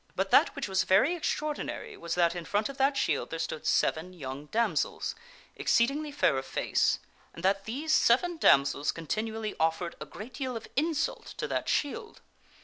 But that which was very extraordinary was that in front of sir that shield there stood seven young damsels, exceedingly fair and sir of face, and that these seven damsels continually offered a great deal of insult to that shield.